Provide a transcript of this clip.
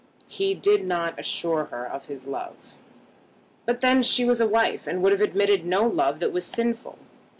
He did not assure her of his love, but then she was a wife, and would have admitted no love that was sinful.